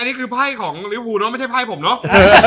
อันนี้คือไพ่ของลิวภูเนอะไม่ใช่ไพ่ผมเนอะ